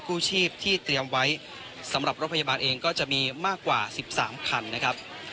กู้ชีพที่เตรียมไว้สำหรับรถพยาบาลเองก็จะมีมากกว่า๑๓คันนะครับ